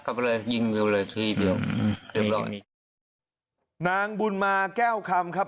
ครับเลยยิงเลยทีเดี๋ยวเรียบร้อยนางบุญมาแก้วคำครับ